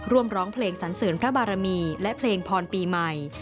ร้องเพลงสันเสริญพระบารมีและเพลงพรปีใหม่